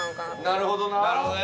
なるほどね。